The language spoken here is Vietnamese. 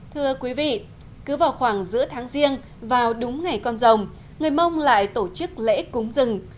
thưa quý vị cứ vào khoảng giữa tháng riêng vào đúng ngày con rồng người mông lại tổ chức lễ cúng rừng